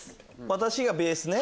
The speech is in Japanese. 私がベースね。